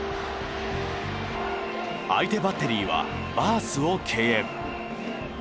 相手バッテリーはバースを敬遠。